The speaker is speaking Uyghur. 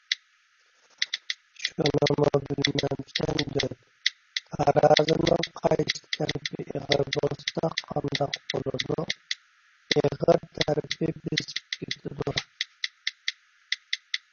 _ شۇنىمۇ بىلمەمسەن دۆت، تارازىنىڭ قايسى تەرىپى ئېغىر بولسا قانداق بولىدۇ؟ _ ئېغىر تەرىپى بېسىپ كېتىدۇ.